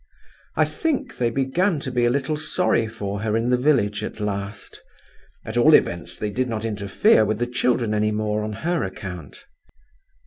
I think they began to be a little sorry for her in the village at last; at all events they did not interfere with the children any more, on her account.